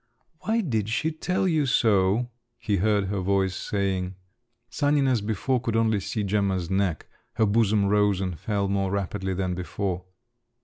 "Why did she tell you so?" he heard her voice saying. Sanin as before could only see Gemma's neck. Her bosom rose and fell more rapidly than before.